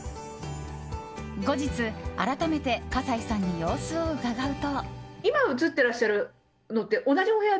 後日、改めて葛西さんに様子を伺うと。